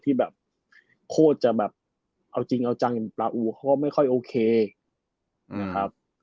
ที่แบบโคตรจะแบบเอาจริงเอาจังปลาอูเขาก็ไม่ค่อยโอเคนะครับ